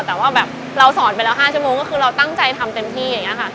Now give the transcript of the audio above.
แต่ว่าแบบเราสอนไปแล้ว๕ชั่วโมงก็คือเราตั้งใจทำเต็มที่อย่างนี้ค่ะ